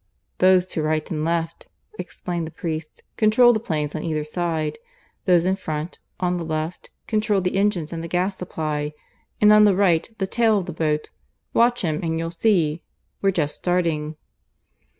"Those to right and left," explained the priest, "control the planes on either side; those in front, on the left, control the engines and the gas supply; and on the right, the tail of the boat. Watch him, and you'll see. We're just starting."